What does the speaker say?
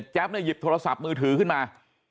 แจ๊บนี่หยิบโทรศัพท์มือถือขึ้นมา